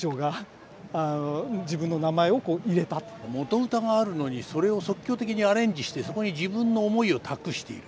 元歌があるのにそれを即興的にアレンジしてそこに自分の思いを託している。